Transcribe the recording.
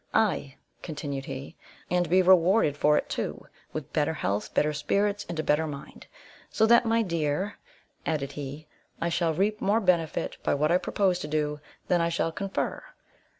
Ay," continued he, "and be rewarded for it too, with better health, better spirits, and a better mind; so that, my dear," added he, "I shall reap more benefit by what I propose to do, than I shall confer."